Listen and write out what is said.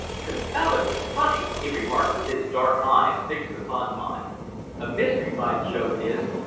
"Confoundedly funny!" he remarked with his dark eyes fixed upon mine. "A mystery, by Jove, it is!